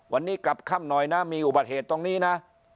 วันนี้กลับค่ำหน่อยนะมีอุบัติเหตุตรงนี้นะ